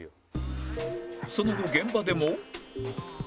その後現場でも